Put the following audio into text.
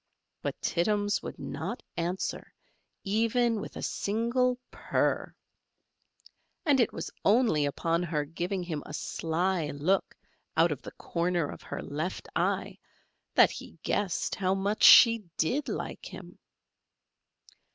But Tittums would not answer, even with a single purr r! and it was only upon her giving him a sly look out of the corner of her left eye that he guessed how much she did like him.